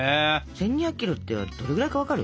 １，２００キロってどのくらいか分かる？